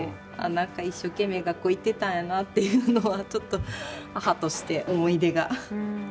なんか一生懸命学校行ってたんやなっていうのはちょっと母として思い出が。